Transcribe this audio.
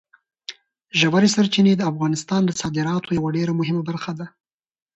ژورې سرچینې د افغانستان د صادراتو یوه ډېره مهمه برخه ده.